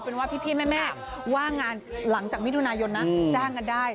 เป็นว่าพี่แม่ว่างงานหลังจากมิถุนายนนะจ้างกันได้